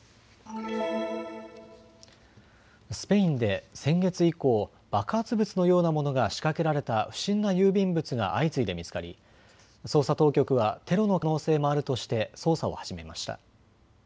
スペインで先月以降、爆発物のようなものが仕掛けられた不審な郵便物が相次いで見つかり捜査当局はテロの可能性もあるとして捜査を始めました。